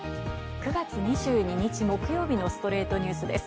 ９月２２日、木曜日の『ストレイトニュース』です。